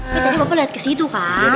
tapi bapak liat ke situ kan